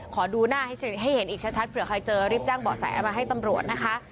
ขอดูหน้าให้เห็นอีกชัดเผื่อใครเจอรีบแจ้งเบาะแสมาให้ตำรวจนะคะ